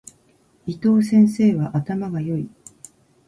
伊藤先生は頭が良い。